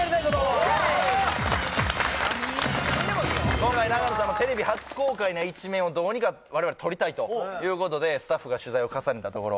今回永野さんのテレビ初公開な一面をどうにか我々撮りたいということでスタッフが取材を重ねたところ